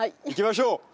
行きましょう！